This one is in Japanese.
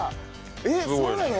えっそうなの？